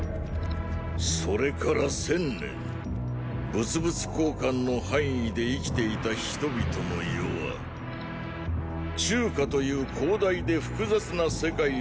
それから千年物々交換の範囲で生きていた人々の世は中華という広大で複雑な世界へとまで進化した。